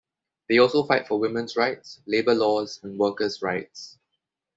They also fight for women's rights, labor laws and workers' rights.